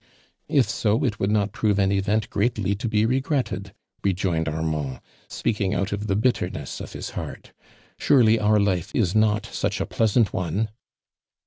" If so it would not prove an event greatl.T to be regretted," rejoined Armand, speak ing out of the bitterness of his heart, " sv ly our life is not such a pleasant one